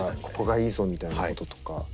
ここがいいぞみたいなこととか。